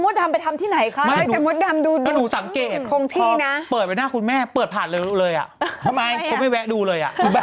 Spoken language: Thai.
ทำไมวะผมไม่แวะดูเลย